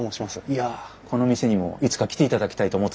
いやこの店にもいつか来ていただきたいと思ってたんですが。